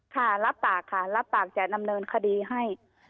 ค่ะรับปากค่ะรับปากจะดำเนินคดีให้